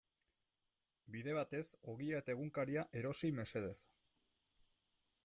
Bide batez ogia eta egunkaria erosi mesedez.